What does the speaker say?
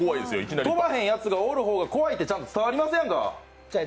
とばへんやつがおる方が怖いっていうのがちゃんと伝わりますやんか。